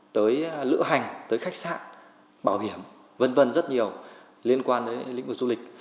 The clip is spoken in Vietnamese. tới lữ hành tới khách sạn bảo hiểm v v rất nhiều liên quan đến lĩnh vực du lịch